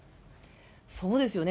そうですよね。